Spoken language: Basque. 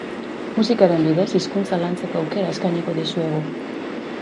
Musikaren bidez hizkuntza lantzeko aukera eskainiko dizuegu.